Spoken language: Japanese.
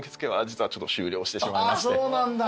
あっそうなんだ。